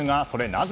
なぜ